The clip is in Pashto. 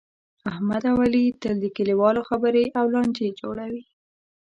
احمد اوعلي تل د کلیوالو خبرې او لانجې جوړوي.